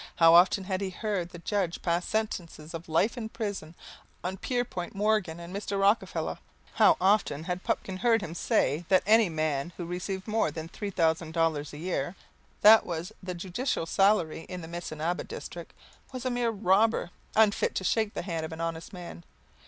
How often had he heard the judge pass sentences of life imprisonment on Pierpont Morgan and Mr. Rockefeller. How often had Pupkin heard him say that any man who received more than three thousand dollars a year (that was the judicial salary in the Missinaba district) was a mere robber, unfit to shake the hand of an honest man.